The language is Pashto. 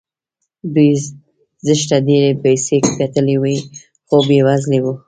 دوی زښته ډېرې پيسې ګټلې وې خو بې وزله وو.